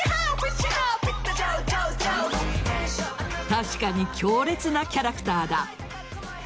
確かに強烈なキャラクターだ。